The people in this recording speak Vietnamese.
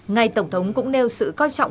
ngày tổng thống cũng nêu sự quan trọng